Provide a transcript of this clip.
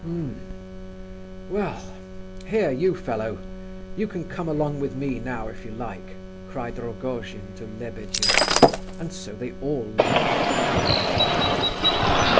"H'm! well—here, you fellow—you can come along with me now if you like!" cried Rogojin to Lebedeff, and so they all left the carriage.